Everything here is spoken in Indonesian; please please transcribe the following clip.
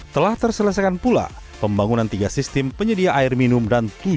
telah terselesaikan pula pembangunan tiga sistem penyedia air minum dan tujuh pos lintas barang